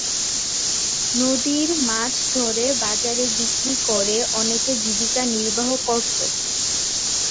নদীর মাছ ধরে বাজারে বিক্রি করে অনেকে জীবিকা নির্বাহ করত।